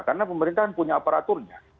karena pemerintahan punya aparaturnya